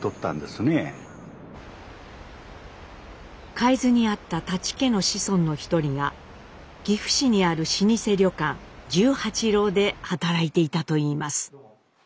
海津にあった舘家の子孫の一人が岐阜市にある老舗旅館十八楼で働いていたといいます。